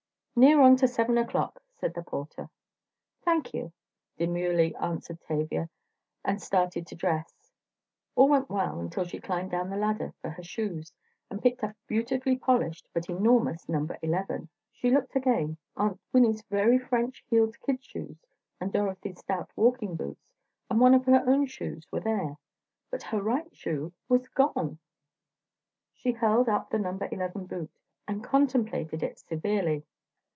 "Near on to seven o'clock," said the porter. "Thank you," demurely answered Tavia, and started to dress. All went well until she climbed down the ladder for her shoes and picked up a beautifully polished, but enormous number eleven! She looked again, Aunt Winnie's very French heeled kid shoes and Dorothy's stout walking boots and one of her own shoes were there, but her right shoe was gone! She held up the number eleven boot and contemplated it severely.